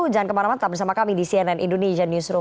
jangan kemarauan tetap bersama kami di cnn indonesian newsroom